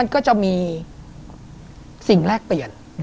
ก็จะมีสิ่งแลกเปลี่ยน